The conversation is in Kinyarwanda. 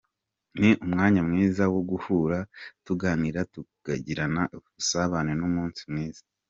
Ni umwanya mwiza wo guhura tukaganira tukagirana ubusabane n’umunsi mwiza.